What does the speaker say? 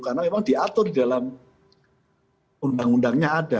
karena memang diatur di dalam undang undangnya ada